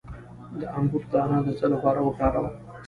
د انګور دانه د څه لپاره وکاروم؟